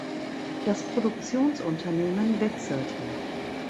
Das Produktionsunternehmen wechselte.